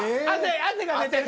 汗が出てる。